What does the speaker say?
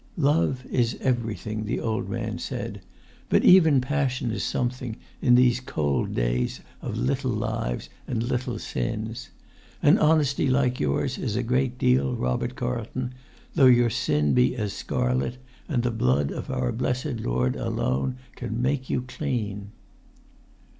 [Pg 72]"Love is everything," the old man said; "but even passion is something, in these cold days of little lives and little sins. And honesty like yours is a great deal, Robert Carlton, though your sin be as scarlet, and the Blood of our Blessed Lord alone can make you clean."